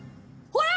ほら！